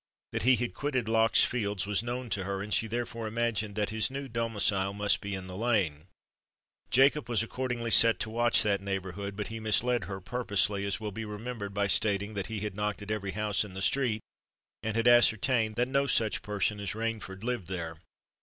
That he had quitted Lock's Fields was known to her; and she therefore imagined that his new domicile must be in the Lane. Jacob was accordingly set to watch that neighbourhood; but he misled her purposely, as will be remembered, by stating that he had knocked at every house in the street, and had ascertained that no such person as Rainford lived there.